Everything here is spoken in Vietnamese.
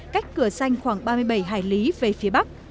cách cửa xanh khoảng ba mươi bảy hải lý về phía bắc